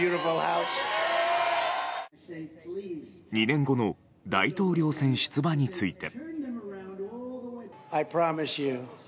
２年後の大統領選出馬について。